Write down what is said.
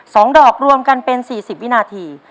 สองดอกรวมกันเป็นสี่สิบวินาที